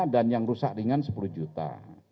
dan yang rusak dengan sepuluh juta